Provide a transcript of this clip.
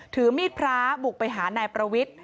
ถือมีดพระบุกไปหานายประวิทธิ